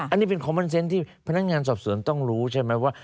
อันนี้เป็นคอมมันเซ็นต์ที่พนักงานสอบสวนต้องรู้ใช่ไหมว่า